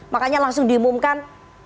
makanya langsung diumumkan